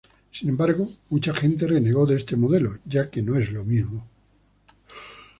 Sin embargo, mucha gente renegó de este modelo ya que no es lo mismo.